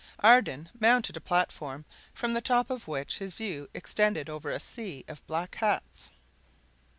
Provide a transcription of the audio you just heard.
Ardan mounted a platform, from the top of which his view extended over a sea of black hats.